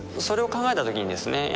それを考えたときにですね